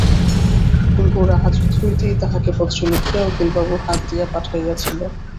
গোরা হাজত হইতেই তাঁহাকে পত্র লিখিয়া উকিলবাবুর হাত দিয়া পাঠাইয়াছিল।